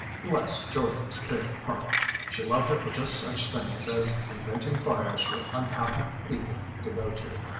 Bless Georgia's big heart she loved her for just such things as inventing fires for unhappy people to go to.